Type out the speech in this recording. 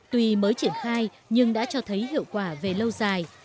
tuy mới triển khai nhưng đã cho thấy hiệu quả về lâu dài